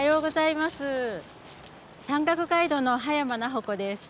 山岳ガイドの羽山菜穂子です。